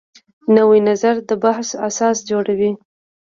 نوی نظر د بحث اساس جوړوي